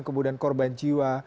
kemudian korban jiwa